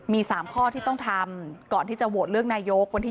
มี๓ข้อที่ต้องทำก่อนที่จะโหวตเรื่องนายกรัฐมนตรี